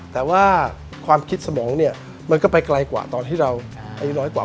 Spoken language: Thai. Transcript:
แต่ว่าความคิดสมองเนี่ยมันก็ไปไกลกว่าตอนที่เราอายุร้อยกว่า